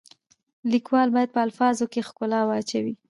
لیکوال باید په الفاظو کې ښکلا واچوي.